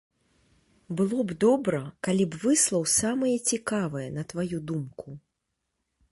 Было б добра, калі б выслаў самае цікавае, на тваю думку.